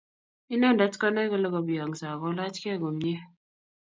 Inendet konai kole kobiyongso akolachkei komie